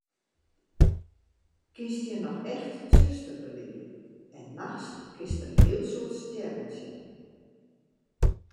Kinst hjir noch echt tsjuster belibje en nachts kinst in heel soad stjerren sjen.